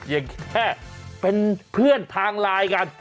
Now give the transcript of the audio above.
ยังแค่เป็นเพื่อนทางไลน์กัน